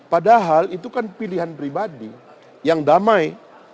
padahal itu kan pilihan pribadi yang damai